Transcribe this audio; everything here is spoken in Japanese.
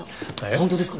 本当ですか！？